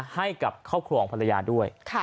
ให้กับครอบครัวของภรรยาด้วย